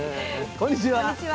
こんにちは。